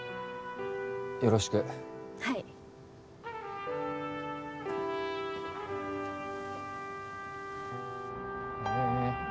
よろしくはいへえ。